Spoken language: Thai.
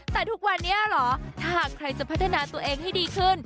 แต่ทุกวันนี้เหรอถ้าหากใครจะพัฒนาตัวเองให้ดีขึ้น